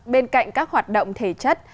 bên cạnh các hoạt động thể chất